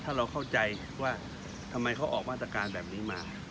ถ้าเราเข้าใจว่าทำไมเขาออกมาตรการแบบนี้มา